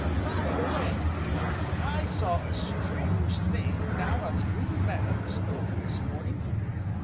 By the way, I saw a strange thing down on the Green Meadows early this morning.